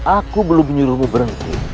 aku belum menyuruhmu berhenti